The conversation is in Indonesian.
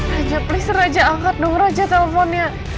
raja please raja angkat dong raja telponnya